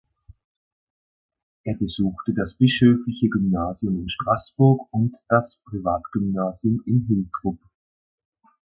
Er besuchte das bischöfliche Gymnasium in Straßburg und das Privatgymnasium in Hiltrup.